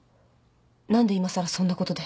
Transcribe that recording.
何でいまさらそんなことで？